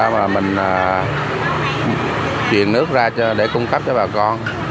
mà mình truyền nước ra cho để cung cấp cho bà con